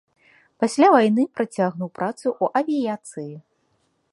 Пасля вайны працягнуў працу ў авіяцыі.